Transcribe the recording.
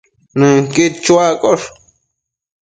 Nënquid chuaccosh